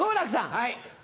はい。